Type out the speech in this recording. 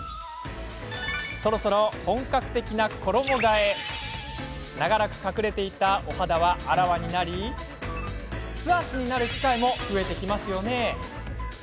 そろそろ本格的な衣がえ。長らく隠れていたお肌はあらわになり素足になる機会も増えてきますよね。